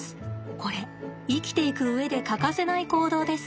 これ生きていく上で欠かせない行動です。